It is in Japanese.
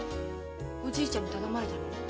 おじいちゃんに頼まれたの？